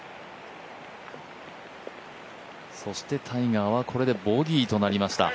そしてタイガーはこれでボギーとなりました。